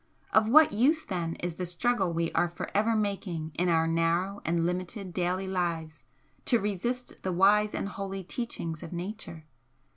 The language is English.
Of what use, then, is the struggle we are for ever making in our narrow and limited daily lives to resist the wise and holy teaching of Nature?